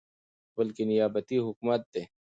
بلكې نيابتي حكومت دى ،